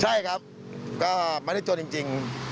ใช่ครับก็ไม่ได้จนจริง